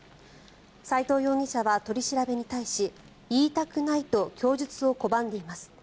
斎藤容疑者は取り調べに対し言いたくないと供述を拒んでいます。